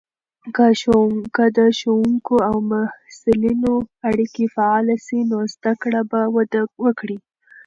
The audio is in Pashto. که د ښوونکو او محصلینو اړیکې فعاله سي، نو زده کړه به وده وکړي.